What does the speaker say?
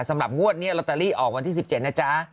สำหรับงวดเนี่ยลอเตอรี่ออกวันที่๑๗นะจ้า